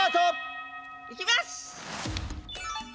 いきます！